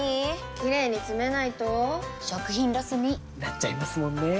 キレイにつめないと食品ロスに．．．なっちゃいますもんねー！